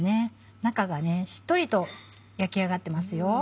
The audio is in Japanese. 中がしっとりと焼き上がってますよ。